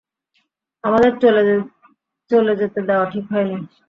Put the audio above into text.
আমাদের চলে যেতে দেওয়া ঠিক হয়নি।